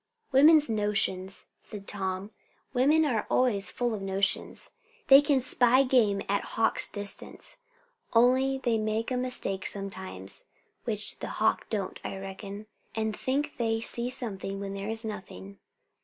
"Women's notions," said Tom. "Women are always full of notions! They can spy game at hawk's distance; only they make a mistake sometimes, which the hawk don't, I reckon; and think they see something when there is nothing."